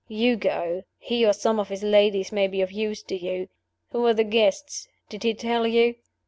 You go. He or some of his ladies may be of use to you. Who are the guests? Did he tell you?"